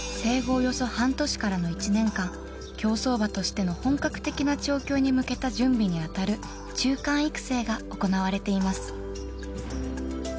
およそ半年からの１年間競走馬としての本格的な調教に向けた準備に当たる中間育成が行われています